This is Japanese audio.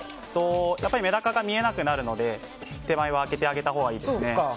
やっぱりメダカが見えなくなるので手前は空けてあげたほうがいいですね。